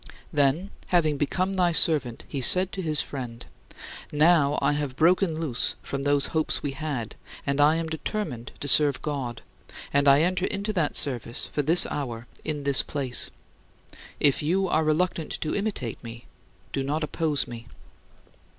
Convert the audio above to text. Then, having become thy servant, he said to his friend: "Now I have broken loose from those hopes we had, and I am determined to serve God; and I enter into that service from this hour in this place. If you are reluctant to imitate me, do not oppose me."